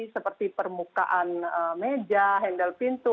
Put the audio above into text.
seperti permukaan meja handle pintu